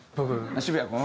渋谷君？